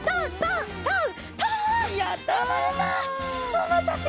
おまたせ。